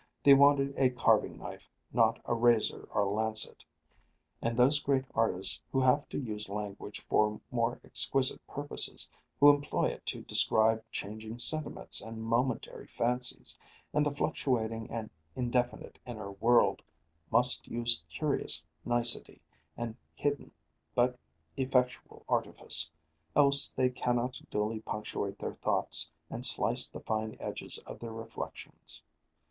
They wanted a carving knife, not a razor or lancet; and those great artists who have to use language for more exquisite purposes, who employ it to describe changing sentiments and momentary fancies, and the fluctuating and indefinite inner world, must use curious nicety and hidden but effectual artifice, else they cannot duly punctuate their thoughts and slice the fine edges of their reflections.